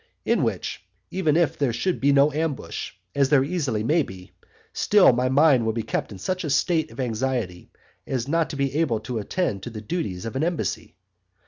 in which, even if there should be no ambush, as there easily may be, still my mind will be kept in such a state of anxiety as not to be able to attend to the duties of an embassy.